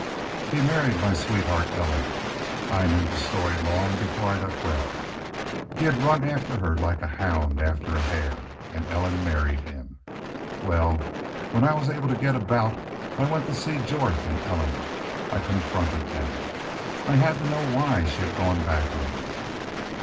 "He'd married my sweetheart, Ellen.... I knew the story long before I got well. He had run after her like a hound after a hare.... An' Ellen married him. Wal, when I was able to get aboot I went to see Jorth an' Ellen. I confronted them. I had to know why she had gone back on me.